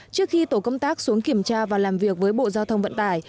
trước khi tổ công tác xuống kiểm tra và làm việc với bộ giao thông vận tải